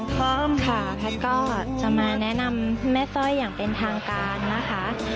เพิ่มค่ะแพทย์ก็จะมาแนะนำแม่สร้อยอย่างเป็นทางการนะคะ